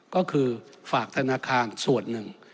ก็คือฝากธนาคารส่วนหนึ่ง